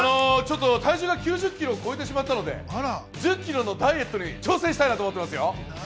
体重が９０キロ超えてしまったので、１０キロのダイエットに挑戦したいなと思ってますよ。